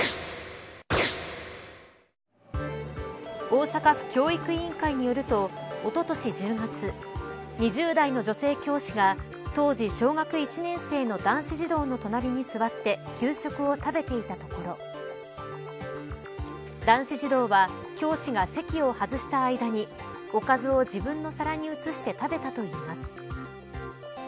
大阪府教育委員会によるとおととし１０月２０代の女性教師が当時、小学１年の男子児童の隣に座って給食を食べていたところ男子児童は教師が席を外した後におかずを自分の皿に移して食べたといいます。